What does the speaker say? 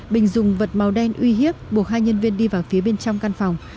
bình dùng vật màu đen uy hiếp buộc hai nhân viên đi vào phía bên trong căn phòng